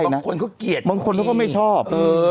บางคนเขาเกลียดบางคนเขาก็ไม่ชอบ